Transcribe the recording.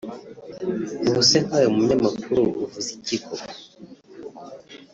ubu se nkawe munyamakuru uvuze iki koko